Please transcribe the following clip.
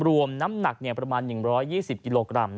น้ำหนักประมาณ๑๒๐กิโลกรัม